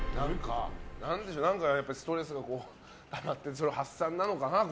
ストレスがたまってそれの発散なのかな